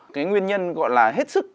cái nguyên nhân gọi là hết sức